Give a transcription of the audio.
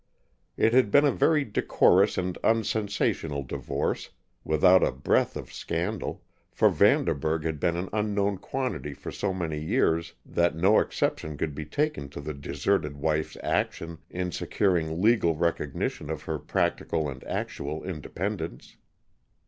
It had been a very decorous and unsensational divorce, without a breath of scandal, for Vanderburg had been an unknown quantity for so many years that no exception could be taken to the deserted wife's action in securing legal recognition of her practical and actual independence.